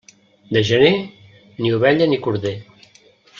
De gener, ni ovella ni corder.